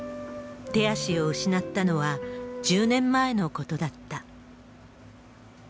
手足を失ったのは、１０年前のことだった。